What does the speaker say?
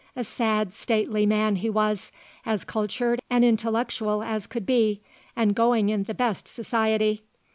A sad, stately man he was, as cultured and intellectual as could be and going in the best society.